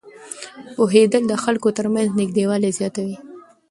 پوهېدل د خلکو ترمنځ نږدېوالی زیاتوي.